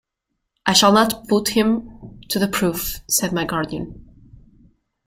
"I shall not put him to the proof," said my guardian.